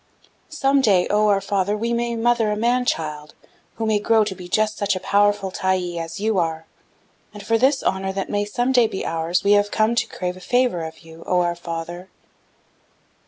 "'Some day, oh! our father, we may mother a man child, who may grow to be just such a powerful Tyee as you are, and for this honor that may some day be ours we have come to crave a favor of you you, Oh! our father.'